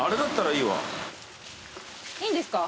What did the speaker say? いいんですか？